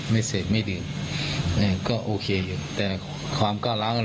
ไม่เสพไม่ดื่มก็โอเคอยู่แต่ความกล้าล้าง